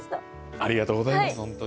ありがとうございます。